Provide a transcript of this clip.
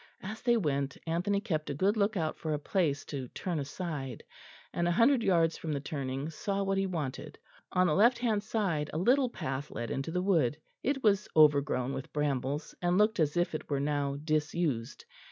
As they went, Anthony kept a good look out for a place to turn aside; and a hundred yards from the turning saw what he wanted. On the left hand side a little path led into the wood; it was overgrown with brambles, and looked as if it were now disused.